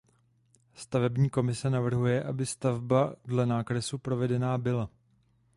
Stavební komise navrhuje aby stavba dle nákresu provedená byla.